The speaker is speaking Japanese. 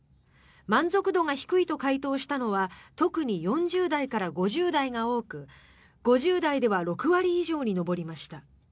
満足度が低いと回答したのは特に４０代から５０代が多く５０代では６割以上に上りました。